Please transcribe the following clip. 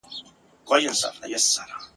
څه افسون دی پر لوېدلی آیینه هغسي نه ده !.